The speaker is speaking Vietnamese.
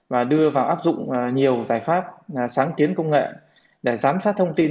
và đưa vào áp dụng nhiều giải pháp sáng kiến công nghệ để giám sát thông tin